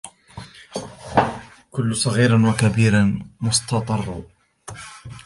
وَكُلُّ صَغِيرٍ وَكَبِيرٍ مُسْتَطَرٌ